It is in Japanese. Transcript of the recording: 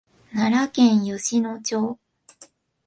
奈良県吉野町